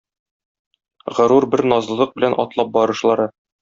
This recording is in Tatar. Горур бер назлылык белән атлап барышлары.